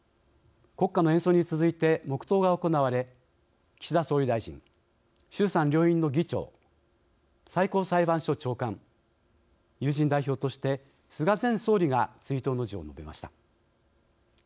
国歌の演奏に続いて黙とうが行われ岸田総理大臣、衆参両院の議長最高裁判所長官友人代表として菅前総理が追悼の辞を述べました。